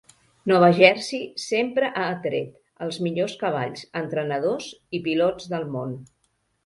Nova Jersey sempre ha atret els millors cavalls, entrenadors i pilots del món.